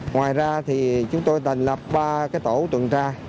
ngoài ra thì chúng tôi thành lập ba tổ tuần tra